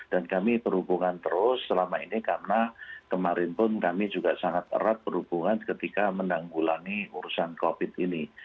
dan kami berhubungan terus selama ini karena kemarin pun kami juga sangat erat berhubungan ketika menanggulangi urusan covid ini